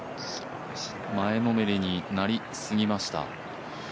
前のめりになりすぎました。